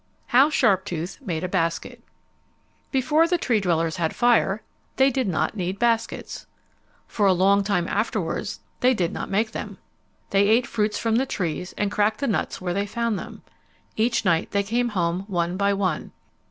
How Sharptooth Made a Basket Before the Tree dwellers had fire they did not need baskets. For a long time afterwards they did not make them. They ate fruits from the trees and cracked the nuts where they found them. Each night they came home one by one.